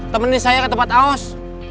temenin saya ke tempat aos